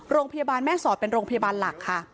โรงพยาบาลแม่สอดเป็นโรงพยาบาลหลักค่ะ